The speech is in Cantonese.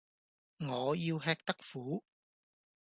我要吃得苦